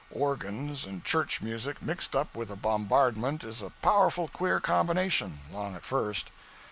Organs and church music mixed up with a bombardment is a powerful queer combination along at first.